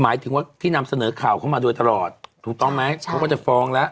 หมายถึงว่าที่นำเสนอข่าวเข้ามาโดยตลอดถูกต้องไหมเขาก็จะฟ้องแล้ว